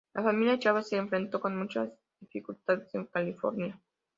La familia Chávez se enfrentó con muchas dificultades en California.